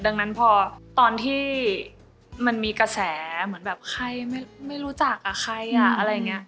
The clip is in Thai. ดังนั้นพอตอนที่มันมีกระแสเหมือนแบบใครไม่รู้จักกับใครอ่ะอะไรอย่างนี้